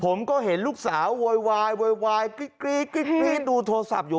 ผมก็เห็นลูกสาวโวยวายโวยวายกรี๊ดดูโทรศัพท์อยู่